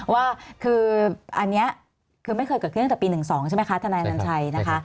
ว่าคืออันนี้คือไม่เคยเกิดขึ้นตั้งแต่ปี๑๒ใช่ไหมคะทนายนัญชัยนะคะ